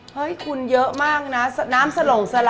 เฮ้ยคุณเยอะมากนะน้ำสลงสละ